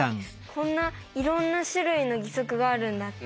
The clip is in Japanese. こんないろんな種類の義足があるんだって